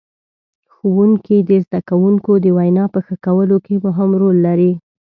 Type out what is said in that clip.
ښوونکي د زدهکوونکو د وینا په ښه کولو کې مهم رول لري.